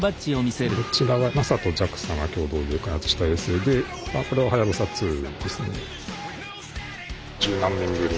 こっち側ＮＡＳＡとＪＡＸＡが共同で開発した衛星でこれは「はやぶさ２」ですね。